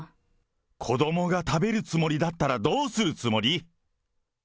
子どもが食べるつもりだったらどうするつもり？